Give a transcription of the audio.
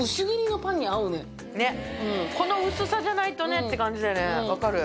ねっこの薄さじゃないとねって感じだよね分かる。